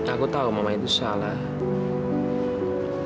aku tahu mama itu salah